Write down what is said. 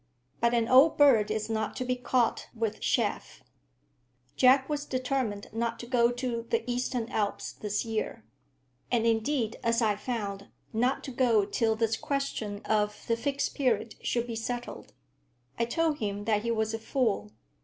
But an old bird is not to be caught with chaff. Jack was determined not to go to the Eastern Alps this year; and indeed, as I found, not to go till this question of the Fixed Period should be settled. I told him that he was a fool.